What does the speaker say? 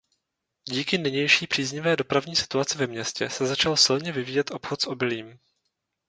Díky nynější příznivé dopravní situaci ve městě se začal silně vyvíjet obchod s obilím.